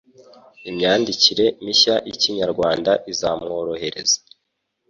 imyandikire mishya y'ikinyarwanda izamworohereza